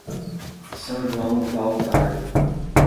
São João do Pau-d'Alho